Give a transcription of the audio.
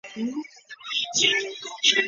院内的米市教堂能容八百人。